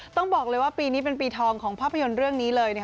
ต้องบอกเลยว่าปีนี้เป็นปีทองของภาพยนตร์เรื่องนี้เลย